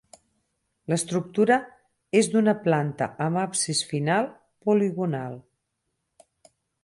L'estructura és d'una planta amb absis final, poligonal.